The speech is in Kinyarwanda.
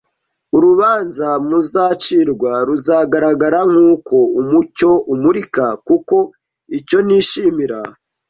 Urubanza muzacirwa ruzagaragara nk uko umucyo umurika Kuko icyo nishimira